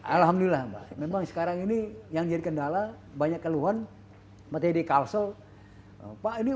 alhamdulillah memang sekarang ini yang jadi kendala banyak keluhan mati di kalsol pak ini